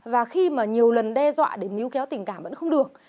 và khi mà nhiều lần đe dọa để níu kéo tình cảm vẫn không được